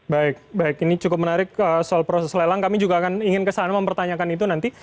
baik baik ini cukup menarik soal proses lelang kami juga akan ingin kesana mempertanyakan itu nanti